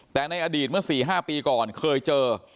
แต่ในอดีตเมื่อ๔๕ปีก่อนเคยเจอ